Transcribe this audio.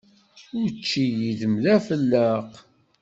Učči yid-m d afelleq.